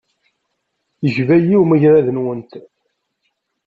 Yekba-iyi umagrad-nwent.